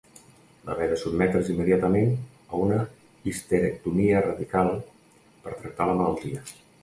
Va haver de sotmetre's immediatament a una histerectomia radical per tractar la malaltia.